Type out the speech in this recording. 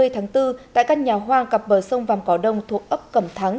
hai mươi tháng bốn tại căn nhà hoang cặp bờ sông vàm cỏ đông thuộc ấp cẩm thắng